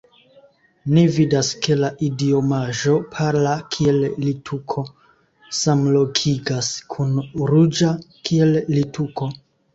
Ni vidas, ke la idiomaĵo pala kiel littuko samlogikas kun ruĝa kiel littuko.